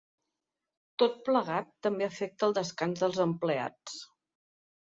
Tot plegat també afecta el descans dels empleats.